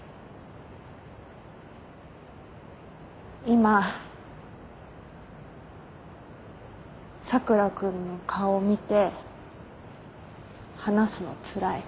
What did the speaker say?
今佐倉君の顔見て話すのつらい。